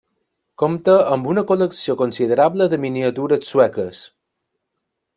Compta amb una col·lecció considerable de miniatures sueques.